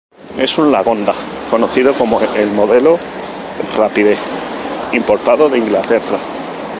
Es un Lagonda, conocido como el modelo "Rapide", importado de Inglaterra.